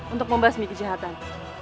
untuk membahas mih kejahatan